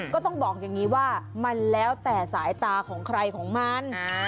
ก็ต้องบอกอย่างนี้ว่ามันแล้วแต่สายตาของใครของมัน